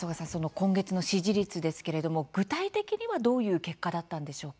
今月の支持率ですけれど具体的には、どういう結果だったんでしょうか？